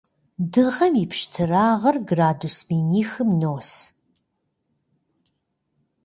Дыгъэм и пщтырагъыр градус минихым нос.